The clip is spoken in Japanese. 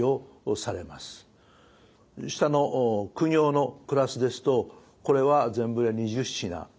下の公卿のクラスですとこれは全部で２０品。